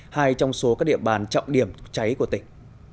hai trong số các địa bàn trọng điểm cháy của tỉnh